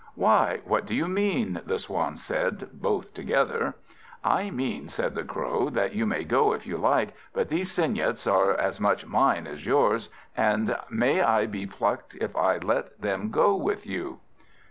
"Why, what do you mean?" the Swans said, both together. "I mean," said the Crow, "that you may go, if you like, but these cygnets are as much mine as yours, and may I be plucked if I let them go with you!"